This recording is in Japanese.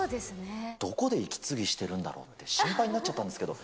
どこで息継ぎしてるんだろうって、心配になっちゃったんですけど。